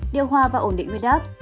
điều hòa và ổn định huyết áp